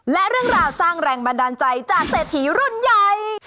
และเรื่องราวสร้างแรงบันดาลใจจากเศรษฐีรุ่นใหญ่